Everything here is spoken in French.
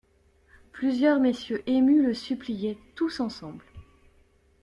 Plusieurs messieurs émus le suppliaient, tous ensemble.